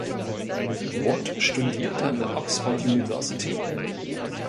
Wood studierte an der Oxford University.